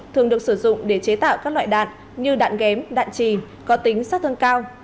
thường được sử dụng để chế tạo các loại đạn như đạn ghém đạn trì có tính sát thương cao